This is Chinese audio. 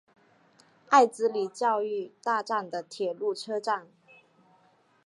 爱之里教育大站的铁路车站。